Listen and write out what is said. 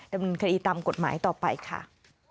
ดำเนินคดีตามกฎหมายต่อไปค่ะ